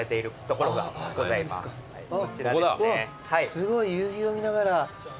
すごい夕日を見ながら。